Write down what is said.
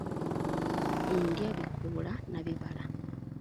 Ndya bikoola na bibala.